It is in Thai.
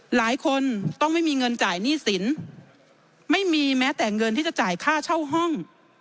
หลายคนต้องไม่มีเงินจ่ายหนี้สินไม่มีแม้แต่เงินที่จะจ่ายค่าเช่าห้อง